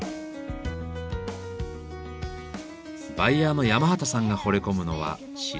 バイヤーの山端さんがほれ込むのは白い器。